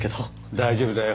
大丈夫だよ。